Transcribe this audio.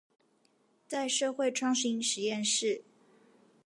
在社會創新實驗室